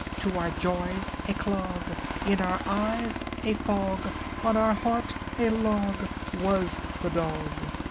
To our joys a clog, In our eyes a fog, On our hearts a log Was the dog!